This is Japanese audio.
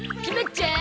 ちゃーん！